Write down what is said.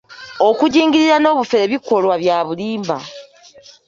Okujingirira n'obufere bikolwa bya bulimba.